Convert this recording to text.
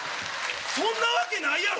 そんなわけないやろ！